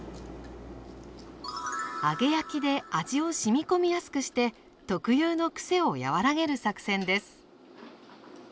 揚げ焼きで味をしみこみやすくして特有のくせを和らげる作戦です。